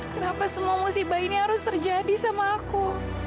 kenapa semua musibah ini harus terjadi sama aku